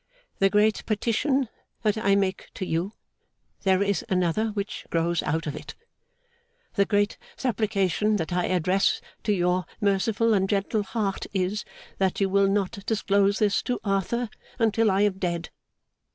'The great petition that I make to you (there is another which grows out of it), the great supplication that I address to your merciful and gentle heart, is, that you will not disclose this to Arthur until I am dead.